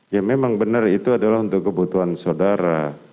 ya memang benar itu adalah untuk kebutuhan saudara